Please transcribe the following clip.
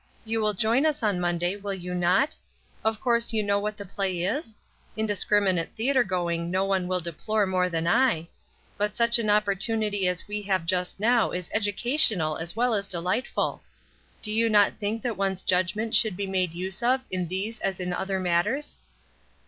You will join us on Monday, will you not? Of course you know what the play is? Indiscriminate theatre going no one will deplore more than I, but such an opportunity as we have just now is educational as well as delightful. Do you not think that one's judgment should be made use of in these as in other matters?"